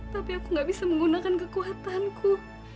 tapi aku gak bisa menggunakan kekuatanku